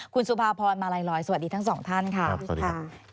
คุณสุภาพรมาลายรอยสวัสดีทั้งสองท่านค่ะค่ะขออภัยค่ะสวัสดีค่ะ